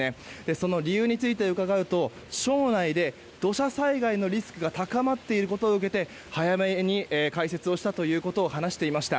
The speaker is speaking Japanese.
その理由について伺うと町内で土砂災害のリスクが高まっていることを受けて早めに開設をしたことを話していました。